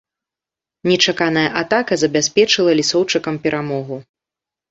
Нечаканая атака забяспечыла лісоўчыкам перамогу.